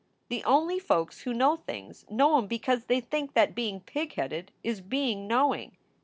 The only folks who know things know em because they think that being pig headed is being knowing.